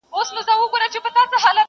لا د چا سترگه په سيخ ايستل كېدله!.